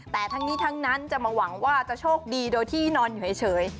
แต่ทั้งนี้ทั้งนั้นจะมาหวังว่าจะโชคดีโดยที่นอนอยู่เฉย